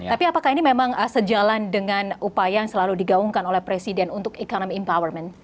tapi apakah ini memang sejalan dengan upaya yang selalu digaungkan oleh presiden untuk econom empowerment